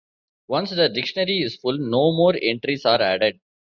Once the dictionary is full, no more entries are added.